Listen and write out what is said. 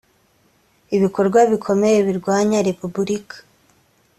ibikorwa bikomeye birwanya repubulika